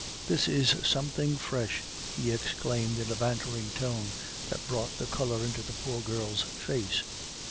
this is something fresh!" he exclaimed in a bantering tone, that brought the color into the poor girl's face.